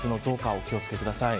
お気を付けください。